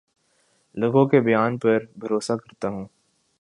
لوگوں کے بیان پر بھروسہ کرتا ہوں